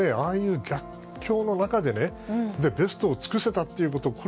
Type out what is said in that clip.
ああいう逆境の中でベストを尽くせたということ。